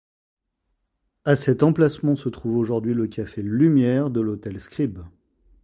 À cet emplacement se trouve aujourd'hui le Café Lumière de l'hôtel Scribe.